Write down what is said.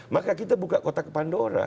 maka kita buka kotak pandora